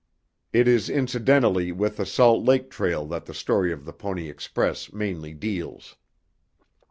It is incidentally with the Salt Lake trail that the story of the Pony Express mainly deals.